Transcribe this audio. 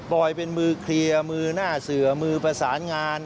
อยเป็นมือเคลียร์มือหน้าเสือมือประสานงาน